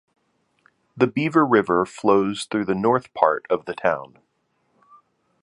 The Beaver River flows through the north part of the town.